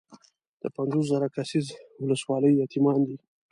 د پنځوس زره کسیزه ولسوالۍ یتیمان دي.